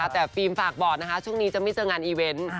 แต่ฟิล์มฝากบอกนะคะช่วงนี้จะไม่เจองานอีเวนต์